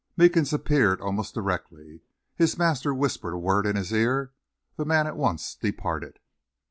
Meekins appeared almost directly. His master whispered a word in his ear. The man at once departed.